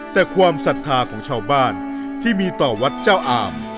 แต่ความศรัทธาของชาวบ้านที่มีต่อวัดเจ้าอาม